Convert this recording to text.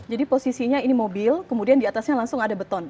jadi posisinya ini mobil kemudian diatasnya langsung ada beton